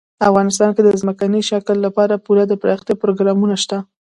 افغانستان کې د ځمکني شکل لپاره پوره دپرمختیا پروګرامونه شته دي.